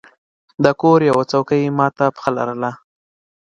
د کور یوه څوکۍ مات پښه لرله.